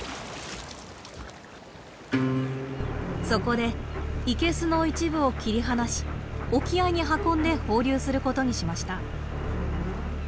そこで生けすの一部を切り離し沖合に運んで放流することにしました。